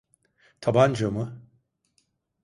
Tabanca mı?